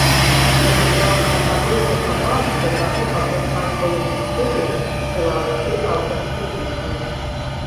Напісанага тады ўжо хапала для таго, каб застацца ў гісторыі беларускай аўтарскай песні.